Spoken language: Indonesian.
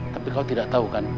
tapi kau tidak tau kan